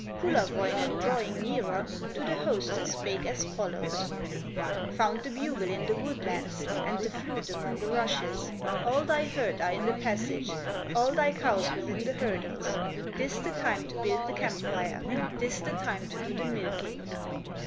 Kullerwoinen, drawing nearer, To the hostess spake as follows: "Found the bugle in the woodlands, And the flute among the rushes; All thy herd are in the passage, All thy cows within the hurdles, This the time to build the camp fire, This the time to do the milking!"